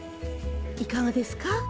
いかがですか？